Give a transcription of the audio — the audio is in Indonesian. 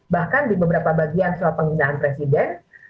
bahkan di beberapa bagian soal penghinaan presiden